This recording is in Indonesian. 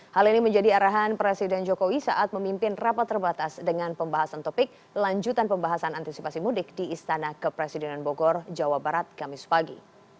hal ini menjadi arahan presiden jokowi saat memimpin rapat terbatas dengan pembahasan topik lanjutan pembahasan antisipasi mudik di istana kepresidenan bogor jawa barat kamis pagi